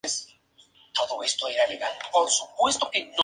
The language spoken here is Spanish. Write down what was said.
En general, en el "Rig-veda" hay alrededor de setenta y cinco menciones a Rudra.